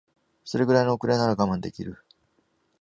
それぐらいの遅れなら我慢できる